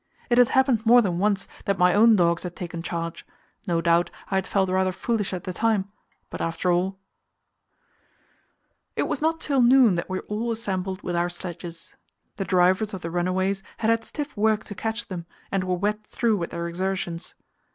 It had happened more than once that my own dogs had taken charge; no doubt I had felt rather foolish at the time, but after all .... It was not till noon that we all assembled with our sledges. The drivers of the runaways had had stiff work to catch them, and were wet through with their exertions.